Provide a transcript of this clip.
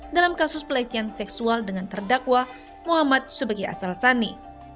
dalam kasus pelecehan seksual dengan terdakwa muhammad sebagai asal sani